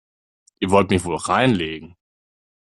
Ihr wollt mich wohl reinlegen?